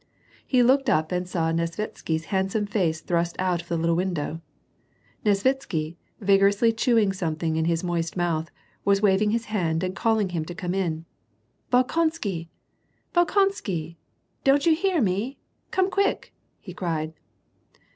He looked up and saw Nesvitsky's handsome face thrust out of the little window. Nesvitsky, vigorously chewing some thing in his moist mouth, was waving his hand and calling him to come in. " Bolkonsky ! Bolkonsky ! Don't you hear me ? Come quick !" he cried.